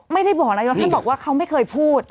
ไม่ได้บอกนายกท่านบอกว่าเขาไม่เคยพูด